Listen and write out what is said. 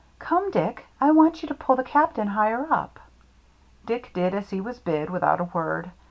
" Come, Dick, I want you to pull the Cap tain higher up." Dick did as he was bid, without a word.